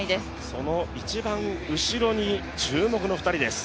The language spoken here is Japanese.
その一番後ろに注目の２人です。